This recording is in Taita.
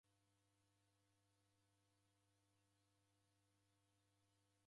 M'baa wa ikanisa wa kala wafwa.